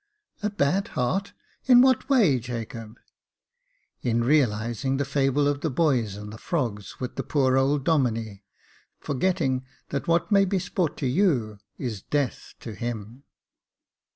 " A bad heart ! in what way, Jacob ?"" In realising the fable of the boys and the frogs with the poor old Domine, forgetting that what may be sport to you is death to him."